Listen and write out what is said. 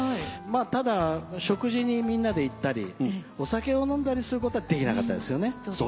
まあただ食事にみんなで行ったりお酒を飲んだりすることはできなかったですよね。